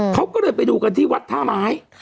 เขาก็เลยไปดูกันที่วัดท่าไม้